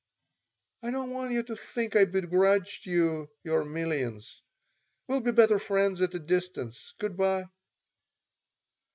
"I don't want you to think I begrudge you your millions. We'll be better friends at a distance. Good by."